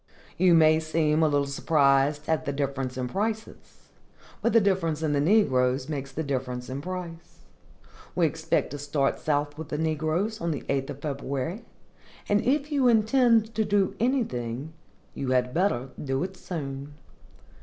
You may seem a little surprised at the difference in prices, but the difference in the negroes makes the difference in price. We expect to start south with the negroes on the 8th February, and if you intend to do anything, you had better do it soon.